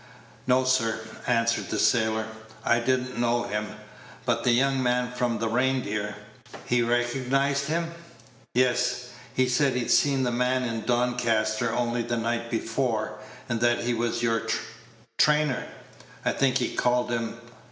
"No, sir," answered the sailor, "I did n't know him; but the young man from the Reindeer " "He recognized him?" "Yes; he said he'd seen the man in Doncaster only the night before; and that he was your trainer, I think he called him."